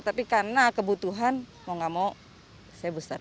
tapi karena kebutuhan mau gak mau saya booster